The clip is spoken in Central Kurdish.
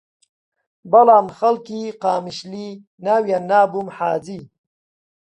بەڵام خەڵکی قامیشلی ناویان نابووم حاجی